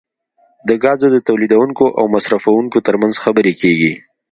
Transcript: د ګازو د تولیدونکو او مصرفونکو ترمنځ خبرې کیږي